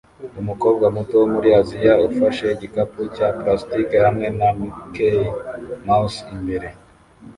Umukobwa muto wo muri Aziya ufashe igikapu cya plastiki hamwe na Mickey Mouse imbere